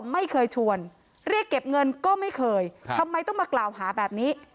ไม่เคยชวนเรียกเก็บเงินก็ไม่เคยทำไมต้องมากล่าวหาแบบนี้